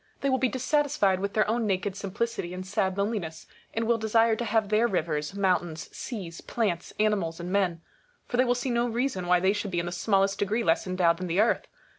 They will be dis satisfied witli their own naked simplicity and sad loneli ness, and will desire to have their rivers, mountains, seas, plants, animals, and men ; for they will see no reason why they should be in the smallest degree less endowed than the Earth.